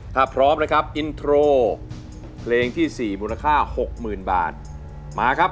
ถ้าพร้อมนะครับอินโทรเพลงที่๔มูลค่า๖๐๐๐บาทมาครับ